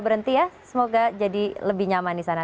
berhenti ya semoga jadi lebih nyaman di sana